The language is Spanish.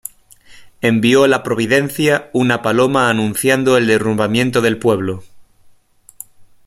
Envió la Providencia una paloma anunciando el derrumbamiento del pueblo.